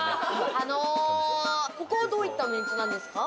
ここはどういったメンツなんですか？